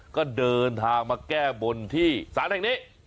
ก็เดินทางมาแก้บนที่ศาลแห่งนี้